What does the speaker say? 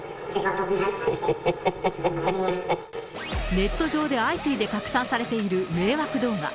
ネット上で相次いで拡散されている迷惑動画。